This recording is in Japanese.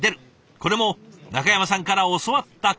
これも中山さんから教わったこと。